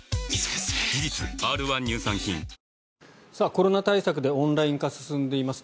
コロナ対策でオンライン化が進んでいます。